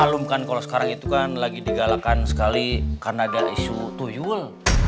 alum kan kalau sekarang itu kan lagi digalakan sekali karena ada isu toyul